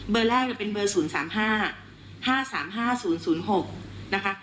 เบอร์แรกจะเป็นเบอร์ศูนย์สามห้าห้าสามห้าศูนย์ศูนย์หกนะคะ